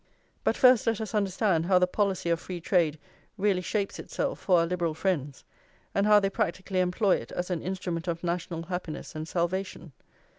But first let us understand how the policy of free trade really shapes itself for our Liberal friends, and how they practically employ it as an instrument of national happiness and salvation.